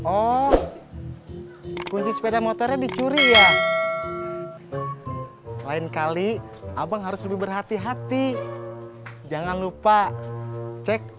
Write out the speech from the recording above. oh kunci sepeda motornya dicuri ya lain kali abang harus lebih berhati hati jangan lupa cek